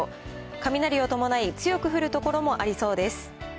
雷を伴い、強く降る所もありそうです。